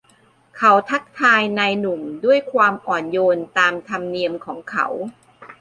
เขาทักทายนายหนุ่มด้วยความอ่อนโยนตามธรรมเนียมของเขา